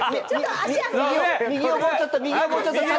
右をもうちょっと。